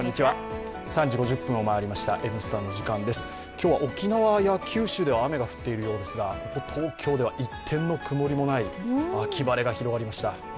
今日は沖縄や九州では雨が降っているようですがここ東京では一点の曇りもない秋晴れが広がりました。